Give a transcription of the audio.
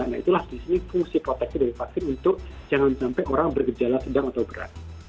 nah itulah di sini fungsi proteksi dari vaksin untuk jangan sampai orang bergejala sedang atau berat